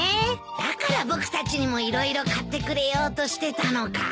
だから僕たちにも色々買ってくれようとしてたのか。